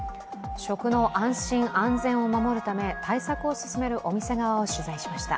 食の安心安全を守るため、対策を進めるお店側を取材しました。